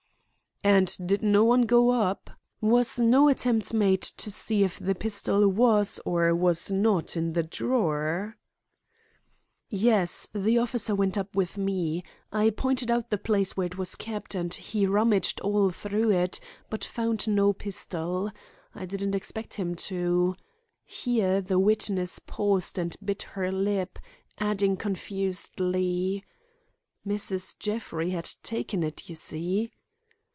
"And did no one go up? Was no attempt made to see if the pistol was or was not in the drawer?" "Yes; the officer went up with me. I pointed out the place where it was kept, and he rummaged all through it, but found no pistol. I didn't expect him to—" Here the witness paused and bit her lip, adding confusedly: "Mrs. Jeffrey had taken it, you see."